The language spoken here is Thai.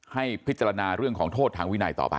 ให้พิจารณาเรื่องของโทษทางวินัยต่อไป